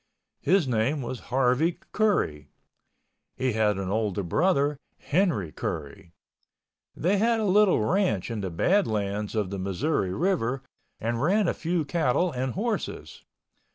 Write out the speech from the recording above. His name was Harvey Curry. He had an older brother, Henry Curry. They had a little ranch in the Badlands of the Missouri River and ran a few cattle and horses.